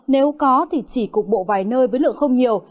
nếu có thì chỉ cục bộ vài nơi với lượng không nhiều